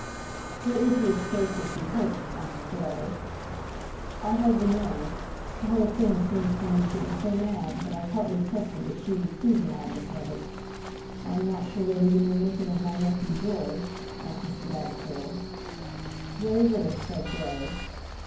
"What is the escape that you hoped?" asked Grey. "I hardly know. The whole thing seems to me to be so mad, that I partly trusted that she would see the madness of it. I am not sure whether you know anything of my nephew George?" asked Mr. Vavasor. "Very little," said Grey.